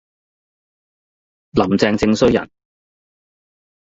林鄭正衰人